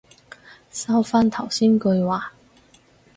收返頭先句話